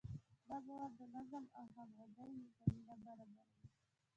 دا باور د نظم او همغږۍ زمینه برابروي.